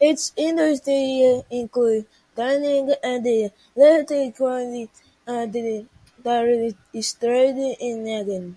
Its industries include tanning and leather-currying, and there is trade in grain.